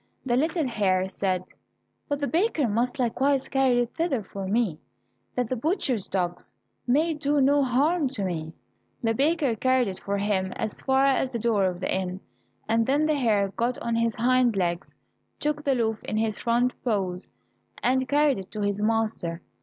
The little hare said, "But the baker must likewise carry it thither for me, that the butchers' dogs may do no harm to me." The baker carried if for him as far as the door of the inn, and then the hare got on his hind legs, took the loaf in his front paws, and carried it to his master.